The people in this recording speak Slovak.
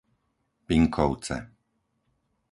Pinkovce